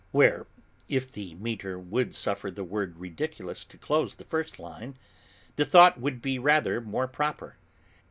Where if the metre would suffer the word Ridiculous to close the first line, the thought would be rather more proper.